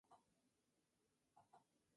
El hecho ocurrió cuando terminaba una práctica.